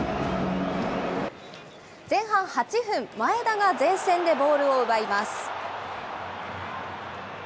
前半８分、前田が前線でボールを奪います。